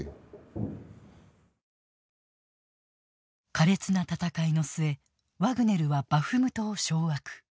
苛烈な戦いの末ワグネルはバフムトを掌握。